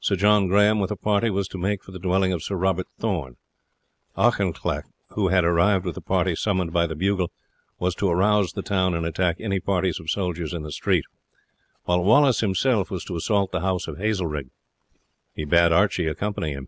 Sir John Grahame, with a party, was to make for the dwelling of Sir Robert Thorne. Auchinleck, who had arrived with the party summoned by the bugle, was to arouse the town and attack any parties of soldiers in the street, while Wallace himself was to assault the house of Hazelrig. He bade Archie accompany him.